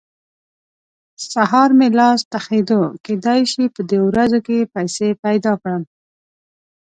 سهار مې لاس تخېدو؛ کېدای شي په دې ورځو کې پيسې پیدا کړم.